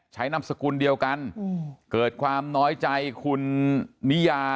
นามสกุลเดียวกันเกิดความน้อยใจคุณนิยา